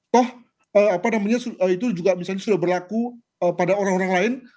toh apa namanya itu juga misalnya sudah berlaku pada orang orang lain